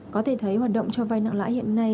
có thể thấy hoạt động cho vai nặng lãi hiện nay